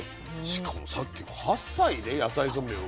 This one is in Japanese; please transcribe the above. しかもさっき８歳で野菜ソムリエを。